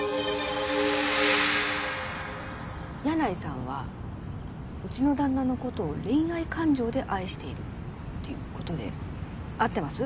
箭内さんはうちの旦那の事を恋愛感情で愛しているっていう事で合ってます？